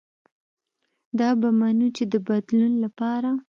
دا به منو چې د بدلون له پاره